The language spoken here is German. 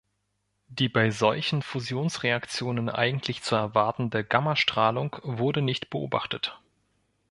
Die bei solchen Fusionsreaktionen eigentlich zu erwartende Gammastrahlung wurde nicht beobachtet.